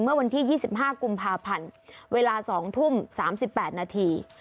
เมื่อวันที่๒๕กุมภาพันธ์เวลา๒ทุ่ม๓๘นาที